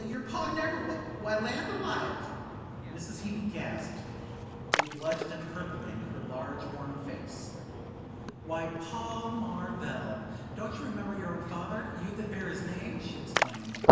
Your Pa never ? Why, land alive!" Mrs. Heeny gasped, a blush empurpling her large warm face. "Why, Paul Marvell, don't you remember your own father, you that bear his name?" she exclaimed.